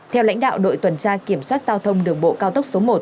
theo lãnh đạo đội tuần tra kiểm soát giao thông đường bộ cao tốc số một